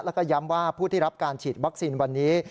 แล้วก็ย้ำว่าผู้ที่รับการฉีดวัคซีนวันนี้